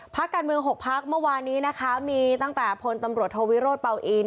พักการเมือง๖พักเมื่อวานนี้นะคะมีตั้งแต่พลตำรวจโทวิโรธเป่าอิน